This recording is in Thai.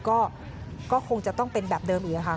ก็คงจะต้องเป็นแบบเดิมอีกค่ะ